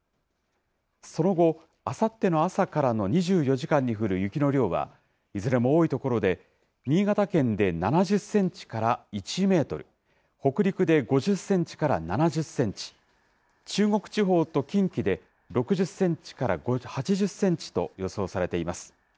その後、あさっての朝からの２４時間に降る雪の量は、いずれも多い所で、新潟県で７０センチから１メートル、北陸で５０センチから７０センチ、中国地方と近畿で６０センチから８０センチと予想されています。